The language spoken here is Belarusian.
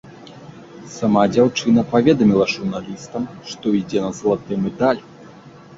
Сама дзяўчына паведаміла журналістам, што ідзе на залаты медаль.